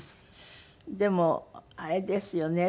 でもあれですよね。